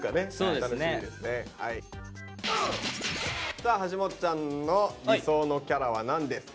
さあはしもっちゃんの理想のキャラは何ですか？